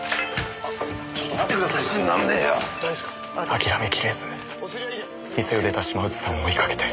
諦めきれず店を出た島内さんを追いかけて。